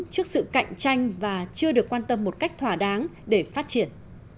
trước sự cạnh tranh và chưa được quan tâm một cách thỏa đáng để phát triển